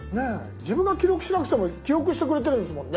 自分が記録しなくても記憶してくれてるんですもんね。